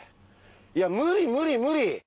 いや無理無理無理！